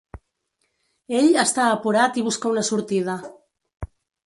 Ell està apurat i busca una sortida.